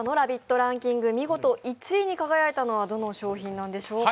ランキング、見事１位に輝いたのはどの商品なのでしょうか。